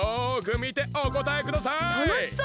たのしそう！